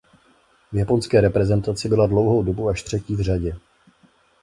V japonské reprezentaci byla dlouhou dobu až třetí v řadě.